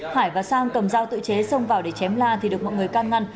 hải và sang cầm dao tự chế xông vào để chém la thì được mọi người can ngăn